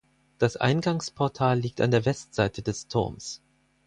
Das Eingangsportal liegt an der Westseite des Turms.